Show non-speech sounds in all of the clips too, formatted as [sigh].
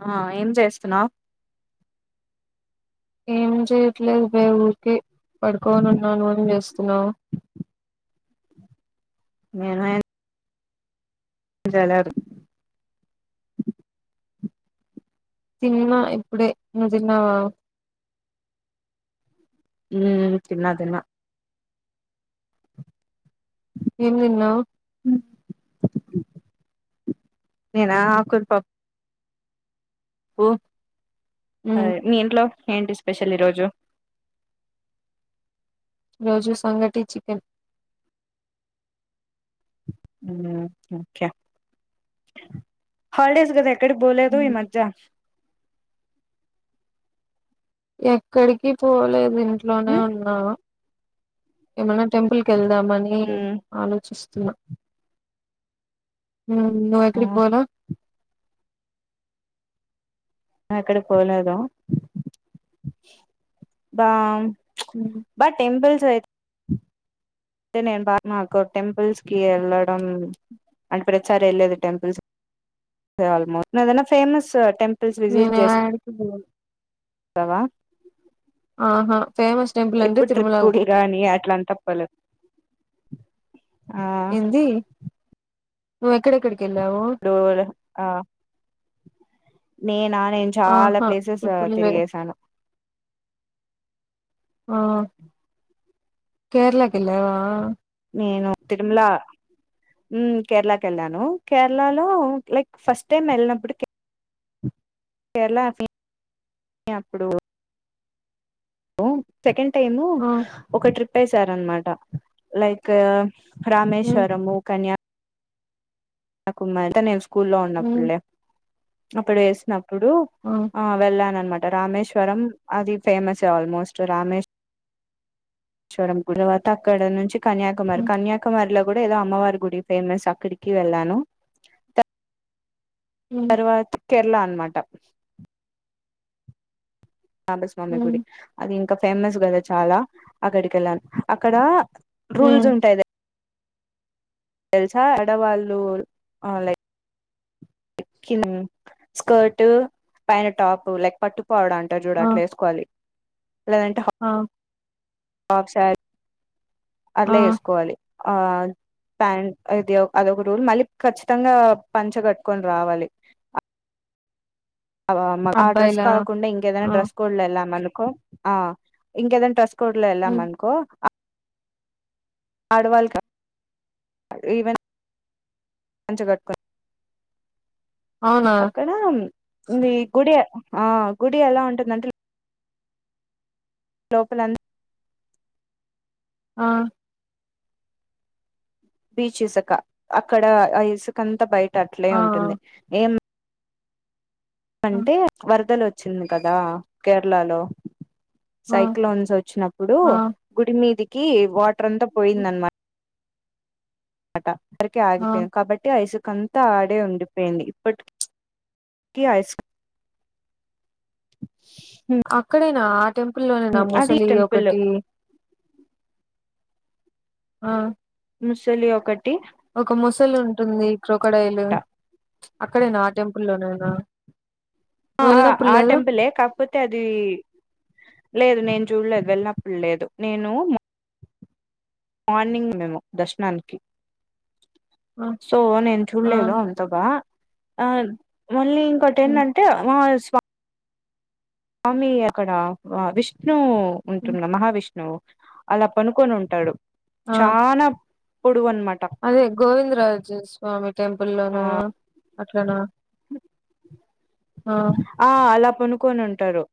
ఆ ఏం చేస్తున్నావ్ ఏం చేయట్లేదు బే ఊరికే పడుకని ఉన్నాను అని చేస్తున్నావు ఏమైంది జడబ్ తిన్న ఇప్పుడే నువ్వు తిన్నవా ఉమ్ తిన్న తిన్న ఏం తిన్నావ్ నేనా ఆకుర పప్పు ప్పు ఉమ్ మీ ఇంట్లో ఏంటి స్పెషల్ ఈరోజు ఈ రోజు సంగటి చికెన్ ఒకే హలిడేస్ కద మీరు బోలేదు ఉమ్. మ్జా ఎక్కడికి పోలేదు ఇంట్లోనే మ్మ్ ఉన్నా ఏమనా టెంపుల్ కి వెళ్దామని మ్మ్ ఆలోచిస్తున్నా నువ్వెక్కడికి పోలే ఎక్కడ పోలేద బా ఉమ్, బట్ టెంపూల్స్ అయితే అంటే నేను బా నాకు టెంపుల్స్ కి వెళ్ళడం అంటే ప్రతీసరి ఎల్లేది టెంపుల్స్ కి ఆల్మోస్ట్ ఏదైనా ఫేమస్ టెంపుల్స్ విజిట్ నేను చేసా యాడికి పోలే తవా ఆహా ఫేమస్ టెంపుల్ ఏంది తిరుమల గానీ అట్లా అంత పోలేం ఇది నువ్వు ఎక్కడ ఎక్కడికి డోర్ ఆ నేనా నేను చాలా ఆహా ప్లేసెస్ ట్రిప్పుల్ లే తిరిగేశాను ఆ కేరళకేల్లవా నేను తిరుమల ఉమ్ కేరళకి వెళ్ళాను కేరళ లో లైక్ ఫస్ట్ టైమ్ వెళ్ళినప్పుడికి కేరళ ఫి [inaudible] అప్పుడు ఊ సెకండ్ టైము ఆ ఒక ట్రిప్ ఏసారనమాట లైక్ ఉమ్ రామేశ్వరము కన్యా నాకుంత నేను స్కూల్లో ఉమ్ ఉన్నప్పుడులే అప్పుడు వేసినప్పుడు ఆ వెళ్ళాన అనమాట రామేశ్వరం అది ఫేమసే ఆల్మోస్ట్ రామేష్ చూడం గుడివాత అక్కడ నుంచి కన్యాకుమారి ఉమ్ కన్యాకుమారిలో కూడా ఏదో అమ్మవారి గుడి ఫేమస్ అక్కడికి వెళ్ళాను. హ్మ్ వత్ కేరళ అనమాట నాభస్వామి హ్మ్ గుడి అది ఇంకా ఫేమస్ కదా చాలా అక్కడికి వెళ్ళాను అక్కడ హ్మ్. రూల్స్ ఉంటాయిద తెలుసా ఆడవాళ్ళు ఆ లైక్ ఎక్కినం స్కర్ట్ పైన టాప్ లైక్ పట్టుకోపోవడానికి చూడు ఆ! అట్లాఏసుకోవాలి లేదంటే హా ఆ హాల్ఫ్ సారి ఆ! అట్లా వేసుకోవాలి ఆ ప్యాంట్ ఇది అదొక రూల్ మళ్ళీ ఖచ్చితంగా పంచగట్టుకొని రావాలి ఆ డ్రెస్ అబ్బాయిలా? కాకుండా ఇంకేదైనా ఆ! డ్రెస్ కోడ్లో వెళ్ళాం అనుకో ఇంకేదైనా డ్రస్ కోడ్లో హ్మ్. ఎల్లామన్కో ఆడవాళ్ళు కాదు ఈవెన్ పంచగట్టుకుని అవునా అక్కడ ఈ గుడే ఆ గుడి ఎలా ఉంటుందంటె లోపల ఆ బీచ్ ఇసుక అక్కడ ఆ ఇసుకంతా బయట అట్లే ఆ! ఆ! ఉంటుంది ఏం అంటే వరదలు వచ్చింది కదా కేరళలో ఆ! సైక్లోన్స్ వచ్చినప్పుడు ఆ! గుడి మీదికి వాటర్ అంతా హ్మ్. పోయిందన్న మాట వరకి ఆ! ఆగిపోయింది కాబట్టి ఆ ఇసుకం అంత ఆడే ఉండిపోయింది ఇప్పటికి ఆ ఇసు అక్కడేనా ఆ టెంపుల్లోనేనా అది ముసలి టెంపుల్ ఒకటి ఆ ముసలి ఒకటి ఒక ముసలి ఉంటుంది క్రోకడైల్ అక్కడేనా ఆ టెంపుల్లోనేనా ఆ ఆ ఆ టెంపులే కాక్ పోతే అది లేదు నేను చూడలేదు వెళ్ళినప్పుడు లేదు నేను మార్నింగ్ మేము దర్శనానికి ఆ! సో నేను ఆ! చూడలేదు గా మళ్ళీ ఇంకోటి హ్మ్. ఏంటంటే [unintelligible] స్వామి అక్కడ విష్ణు హ్మ్. ఉంటున్న మహావిష్ణువు అలా పనుకొని ఉంటాడు ఆ! చానా పొడువు అనమాట అదే గోవింద రాజు స్వామి ఆ టెంపుల్లోనా అట్లనా ఆ ఆ అలా పండుకొని ఉంటారు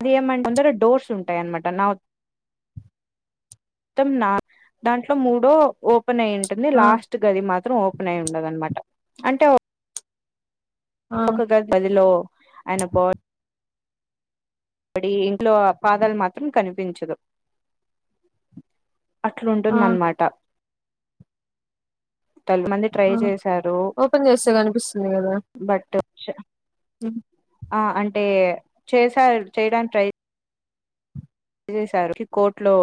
అది ఏమంట ముందర డోర్స్ ఉంటాయన్నమాట నావ్ మొత్తం నా దాంట్లో మూడో ఓపెన్ అయి టుంది ఆ! లాస్ట్ గది మాత్రం ఓపెన్ అయి ఉండదనమాట అంటే ఆ! ఒక గదిలో ఆయన బాడీ డీ ఇంట్లో పాదాలు మాత్రం కనిపించదు ఆ! అట్లుంటుందన్నమాట తల మంది ట్రై ఆ చేశారు ఓపెన్ చేస్తే కనిపిస్తుంది కదా బట్ ఉ ఆ అంటే చేసారు చేయడానికి ట్రై చేసారు కోర్టులో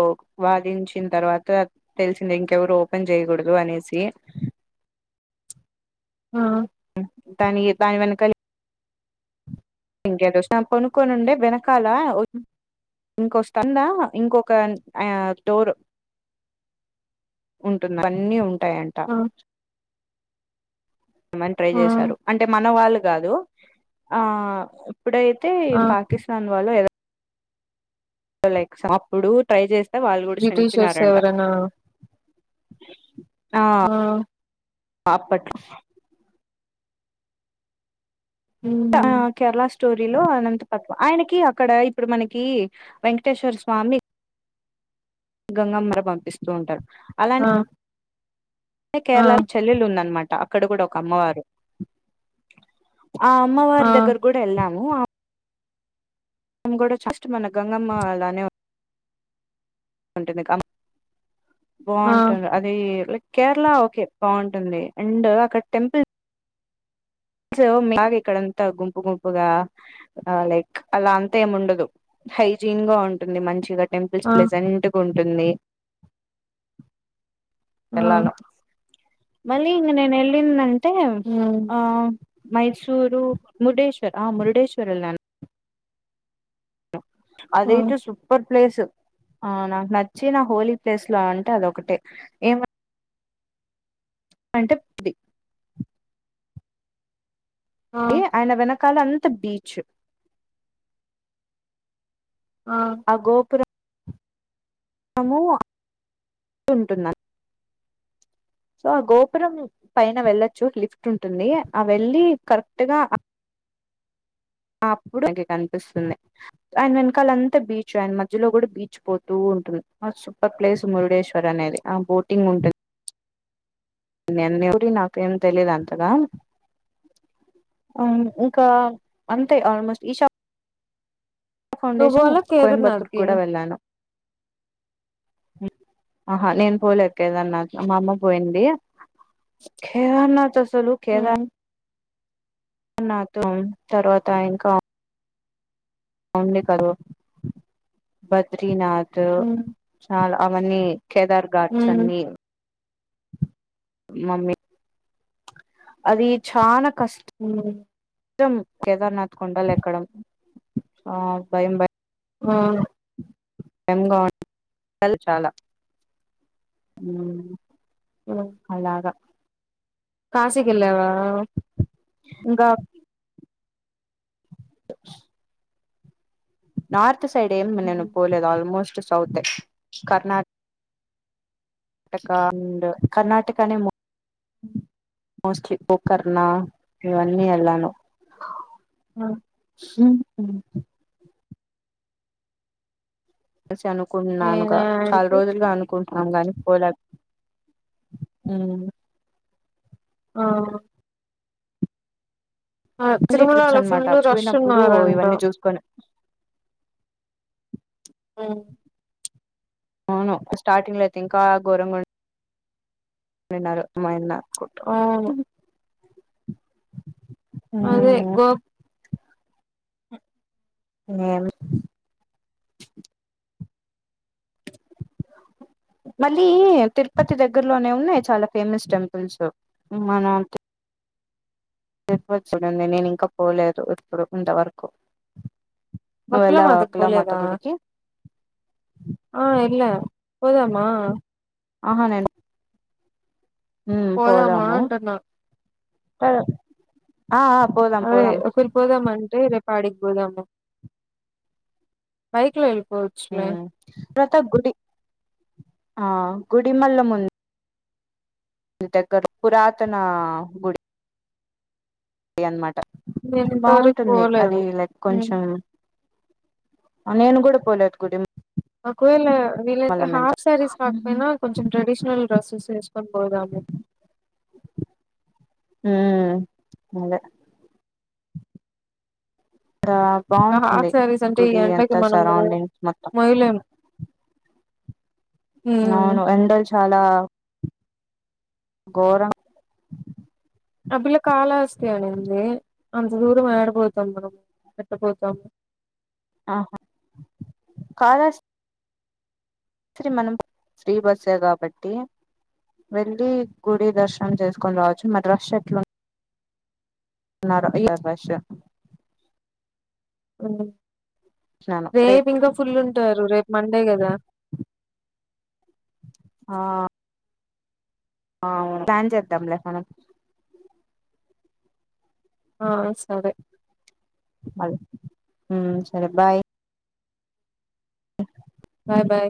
వాదించిన తర్వాత తెలిసింది ఇంకెవరు ఓపెన్ చేయ్యకూడదు అనేసి ఆ దాని దాని వెనకాల ఇంకేదో కొనుక్కొనిండే వెనకాల ఓ ఇంకోస్తందా ఇంకొక ఆ డోర్ ఉంటుంది ఇవన్నీ ఉంటాయి అం ఆ మని ట్రై ఆ చేశారు అంటే మన వాళ్ళు కాదు ఆ ఇప్పుడై అయితే ఆ పాకిస్తాన్ వాళ్ళు ఎదో లైక్ అప్పుడు ట్రై చేస్తే వాళ్ళు కూడా బ్రిటిషర్స్ చనిపోయినారంట. ఎవరనా ఆ అప్పట్ ఉ ఆ కేరళ స్టోరీలో అనంతపద్మ ఆయనకి అక్కడ ఇప్పుడు మనకి వెంకటేశ్వర స్వామి గంగమ్మర పంపిస్తూ ఉంటారు అలా ఆ అంటే ఆ కేరళలో చెల్లెలు ఉందనమాట అక్కడ కూడా ఒక అమ్మవారు ఆ ఆ అమ్మవారి దగ్గర కూడా ఎళ్ళాము, ఆ మేం కూడా జస్ట్ మన గంగమ్మ అలానే ఉంటుంది అమ్మ ఆ బావుంటుంది. అది లైక్ కేరళ ఓకే బావుంటుంది అండ్ అక్కడ టెంపుల్ స్ అలాగే ఇక్కడంత గుంపు గుంపుగా ఆ లైక్ అలా అంత ఏమి ఉండదు హైజీన్ గా ఉంటుంది మంచిగా. టెంపుల్స్ ఆ ప్లజెంట్గా ఉంటుంది. ఆ వెళ్ళాలో మళ్ళీ ఇంగ నేను ఏళ్లిందంటే ఉమ్ ఆ మైసూరు, మురుడేశ్వర్ ఆ మురుడేశ్వర్ వెళ్ళాన్ ఆ అదైతే సు పర్ ప్లేస్ ఆ నాకు నచ్చినా హోలీ ప్లేస్ లో అంటే అదో ఒకటే ఏమ అంటే ఆ ఏ ఆయన వెనకాల అంతా బీచ్. ఆ ఆ గోపురం రము ఉంటున్నా సో ఆ గోపురం పైన వెళ్లొచ్చు లిఫ్ట్ ఉంటుంది. ఆ వెళ్ళి కరెక్ట్ గా ఆ అప్పుడు పైకి కనిపిస్తుంది. ఆయన వెనకాల అంతా బీచ్ ఆయన మధ్యలో కూడా బీచ్ పోతూ ఉంటుంది. సూపర్ ప్లేస్ మురుడేశ్వర్ అనేది ఆ బోటింగ్ ఉంటది. నేన్ గుడి నాకేం తెలిదు అంతగా. అవును ఇంకా అంతే ఆల్మోస్ట్ ఈషా నువ్వు ఫౌండేషన్ పోలే కోయంబత్తూర్ కేదార్నాథ్‌కి కూడా వెళ్ళాను. ఆహా నేను పోలేద్ కేదరనాథ్ మా అమ్మ పోయింది. కేదరనాథ్ అస్సలు కేదా ఉమ్ నాత్ తర్వాత ఇంకా ఉంది కదు బద్రీనాథ్ ఉమ్ చాలా అవన్నీ కేదార్ ఘాట్స్ ఉమ్ అన్నీ. మమ్మీ అది చాన కస్ట్ ఉ త్తం కేదర్నాథ్ కొండలు ఎక్కడం ఆ భయం భయ ఆ బయంగా చాలా ఉమ్ ఉమ్ అలాగా కాశికెల్లావా ఇంగా నార్త్ సైడ్ ఏం నేను హ్మ్. పోలేదు ఆల్మోస్ట్ సౌత్ కర్నాట్ టక అండ్ కర్ణాటకనే మ్ ఉ ఆడియో శబ్దంగా ఉంది మోస్ట్లీ గోకర్ణ ఇవన్నీ ఎల్లాను ఉమ్ ఉమ్ హ్ సి అనుకుంటున్నానుగా నేనా చాలా యాడికి రోజులుగా అనుకుంటు అగాని పోలే ఆ ఆ ఫ్యామిలీ ట్రిప్స్ తిరుమలలో ఫుల్ అనమాట రష్ పోయినప్పుడు ఉన్నారంట ఇవన్నీ చూసుకొని ఉమ్ అవును స్టార్టింగ్ లో అయితే ఇంకా గోరంగున్ ఉండిన్నారు మాయన్న అవును అదే గోప్ ఇంగేమి మళ్ళీ తిరుపతి దగ్గరలోనే ఉన్నాయి చాలా ఫేమస్ టెంపుల్స్ మనంట్ చెప్పవచ్చుడేంది నేను ఇంకా పోలేదు ఇప్పుడు ఇంతవరకు నువ్వ ఎల్లావ బకులామాతకి వకులా మాత పోలేదా గుడికి ఆ ఎల్లా పోదమా అహ నేను ఉమ్ పోదామా పోదము అంటున్నా ఆ ఆ పోదం అదే పోదం ఒకరు పోదామంటే రేపాడికి పోదాము బైక్ లో వెళ్ళిపోవచ్చులే ప్రత గుడి ఆ గుడిమల్ల ముందు వుంది దగ్గర్లో పురాతన గుడి డి అన్నమాట నేను ఇంతవరకు బావుంటుంది పోలేదు అది లైక్ ఉమ్, కొంచెం ఆ నేను కూడా పోలేదు గుడి ము ఒకవేళ ఎంత హాఫ్ సారీస్ ఉమ్ కాకపోయినా కొంచెం ట్రెడిషనల్ డ్రస్సేస్ వేసుకొని పోదాము ఉమ్ అదే ఆ ఇంకా బావుంటుండే హాఫ్ శారీస్ అంటే ఈ గుడి ఎండకి అంతా మనము సరౌండింగ్స్ మొత్తం మొయ్యలేము ఉమ్, అవును ఎండల్ చాలా గోరం అ పిల్ల కాలాహస్తి అనేంది అంత దూరం ఏడపోతాం మనము ఎట్టపోతాము ఆహా కాలహస్ స్తి మనం ఫ్రీ బస్సే గాబట్టి వెలి గుడి దర్శనం చేసుకొని రావచ్చు మద్రాస్ ఎట్లు ఆడపిల్ల ఫస్ట్ ఉ రేపు ఇంకా ఫుల్ ఉంటారు రేపు మండే కదా ఆ ఆవును ప్లాన్ చేద్దాం లే మనం ఆ సరే మళ్ళ ఊ సరే బాయ్ అ బాయ్ బయ్